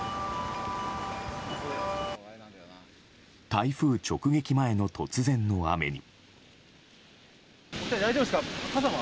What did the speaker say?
台風直撃前の突然の雨に。